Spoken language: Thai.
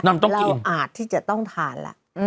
น่าต้องกินเราอาจที่จะต้องทานแหละ